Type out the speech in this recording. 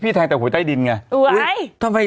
พี่แทงแต่หูใต้ดินไง